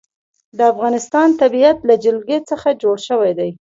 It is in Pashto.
د افغانستان طبیعت له جلګه څخه جوړ شوی دی.